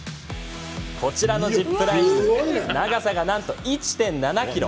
こちらのジップライン長さが、なんと１．７ｋｍ。